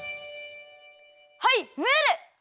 はいムール！